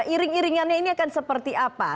iring iringannya ini akan seperti apa